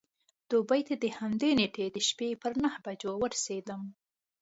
دوبۍ ته د همدې نېټې د شپې پر نهو بجو ورسېدم.